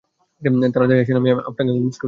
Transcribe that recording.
তারাতাড়ি আসেন আম্মি, আপনাকে খুব মিস করতেছি।